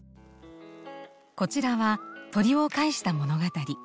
こちらは鳥を介した物語。